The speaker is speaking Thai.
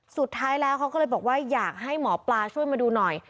สุดท้ายแล้วเขาก็เลยบอกว่าอยากให้หมอปลาช่วยมาดูหน่อย